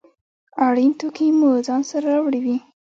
اړین توکي مو ځان سره راوړي وي.